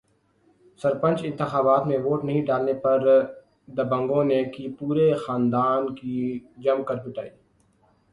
سرپنچ انتخابات میں ووٹ نہیں ڈالنے پر دبنگوں نے کی پورے خاندان کی جم کر پٹائی